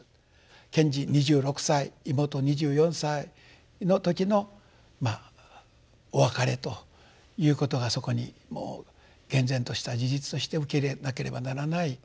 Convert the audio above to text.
賢治２６歳妹２４歳の時のお別れということがそこにもう厳然とした事実として受け入れなければならない。